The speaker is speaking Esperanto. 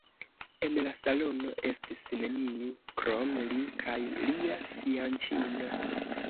En la salono estis neniu krom li kaj lia fianĉino.